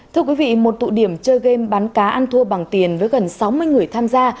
thưa quý vị một tụ điểm chơi game bắn cá ăn thua bằng tiền với gần sáu mươi người tham gia